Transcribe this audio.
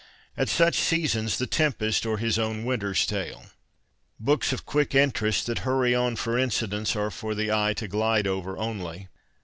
At such seasons The Tempest, or his own Winter's Tale. Books of quick interest, that hurry on for incidents, are for the eye to glide over only.'